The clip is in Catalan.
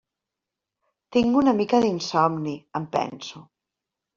Tinc una mica d'insomni, em penso.